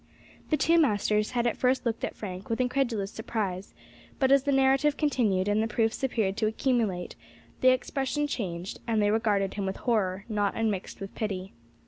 The two masters had at first looked at Frank with incredulous surprise, but as the narrative continued and the proofs appeared to accumulate, the expression changed, and they regarded him with horror, not unmixed with pity.